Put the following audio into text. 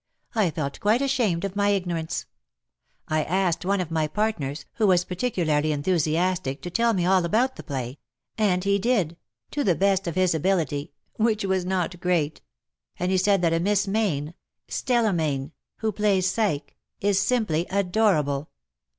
I felt quite ashamed of my ignorance. I asked one of my partners, who was particularly enthusiastic, to tell me all about the play — and he did — to the best of his ability, which was not great — and he said that a Miss Mayne — Stella Mayne — who plays Psyche, is simply adorable.